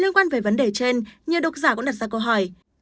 liên quan về vấn đề trên nhiều độc giả cũng đặt ra câu hỏi